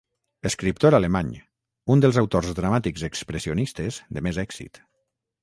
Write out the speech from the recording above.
Escriptor alemany, un dels autors dramàtics expressionistes de més èxit.